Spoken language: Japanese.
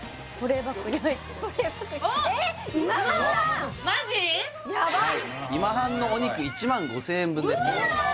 やばっ今半のお肉１５０００円分ですうわ！